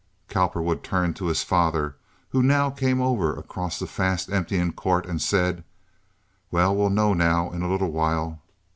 Cowperwood turned to his father who now came over across the fast emptying court, and said: "Well, we'll know now in a little while."